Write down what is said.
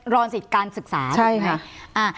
รอนสิทธิ์การศึกษาใช่ค่ะ